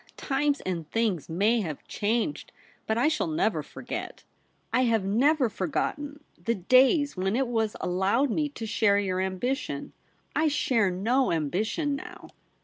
times and things may have changed, but I shall never forget — I have never for gotten — the days when it was allowed me to share your ambition. I share no ambition now.'